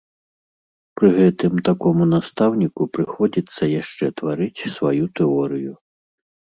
Пры гэтым такому настаўніку прыходзіцца яшчэ тварыць сваю тэорыю.